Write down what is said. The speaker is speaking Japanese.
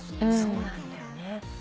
そうなんだよね。